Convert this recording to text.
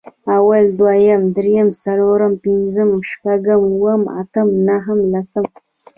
اول، دويم، درېيم، څلورم، پنځم، شپږم، اووم، اتم، نهم، لسم